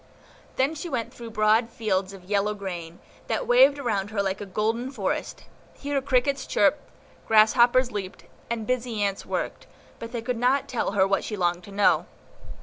Then she went through broad fields of yellow grain, that waved around her like a golden forest; here crickets chirped, grasshoppers leaped, and busy ants worked, but they could not tell her what she longed to know.